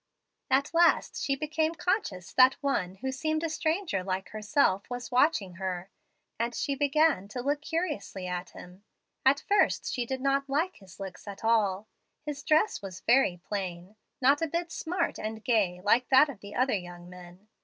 "At last she became conscious that one who seemed a stranger like herself was watching her, and she began to look curiously at him. At first she did not like his looks at all, His dress was very plain, not a bit smart and gay like that of the other young men.